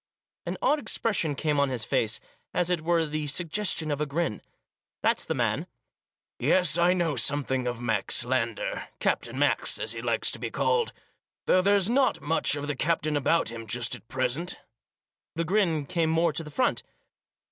" An odd expression came on his face, as it were the suggestion of a grin. " That's the man." " Yes, I know something of Max Lander, Captain Max, as he likes to be called. Though there's not much of the captain about him just at present" The grin came more to the front.